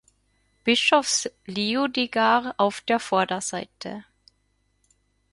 Bischofs Leodegar auf der Vorderseite.